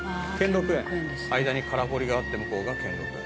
「間に空堀があって向こうが兼六園」